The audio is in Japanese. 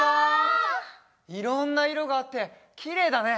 いろんないろがあってきれいだね！